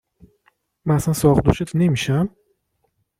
من اصلا ساقدوشت نمیشم؟